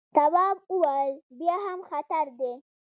تواب وويل: بیا هم خطر دی.